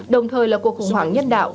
đồng thời là cuộc khủng hoảng nhân đạo